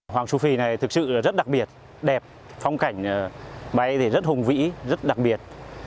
hoàng su phi này thực sự rất đặc biệt đẹp phong cảnh bay thì rất hùng vĩ rất đặc biệt